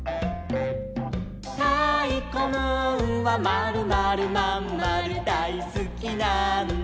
「たいこムーンはまるまるまんまるだいすきなんだ」